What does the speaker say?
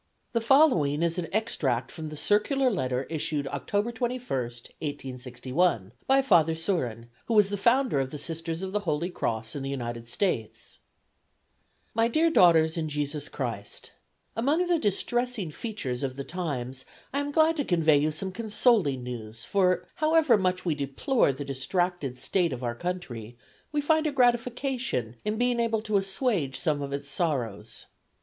The following is an extract from the Circular Letter issued October 21, 1861, by Father Sorin, who was the founder of the Sisters of the Holy Cross in the United States: "My Dear Daughters in Jesus Christ: "Among the distressing features of the times I am glad to convey you some consoling news, for, however much we deplore the distracted state of our country, we find a gratification in being able to assuage some of its sorrows....